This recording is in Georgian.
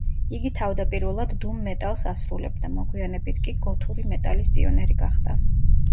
იგი თავდაპირველად დუმ მეტალს ასრულებდა, მოგვიანებით კი გოთური მეტალის პიონერი გახდა.